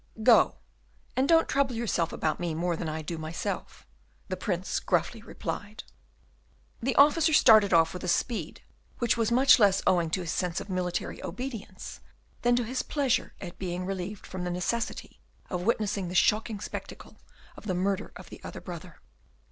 "Go, and don't you trouble yourself about me more than I do myself," the Prince gruffly replied. The officer started off with a speed which was much less owing to his sense of military obedience than to his pleasure at being relieved from the necessity of witnessing the shocking spectacle of the murder of the other brother.